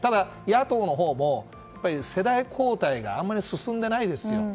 野党のほうも、世代交代があまり進んでいないですよ。